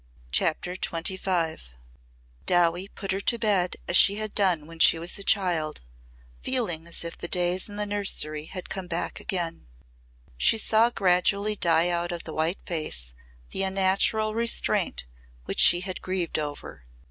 CHAPTER XXV Dowie put her to bed as she had done when she was a child, feeling as if the days in the nursery had come back again. She saw gradually die out of the white face the unnatural restraint which she had grieved over.